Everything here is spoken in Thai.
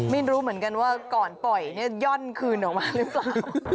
ไม่รู้เหมือนกันว่าก่อนปล่อยย่อนคืนออกมาหรือเปล่า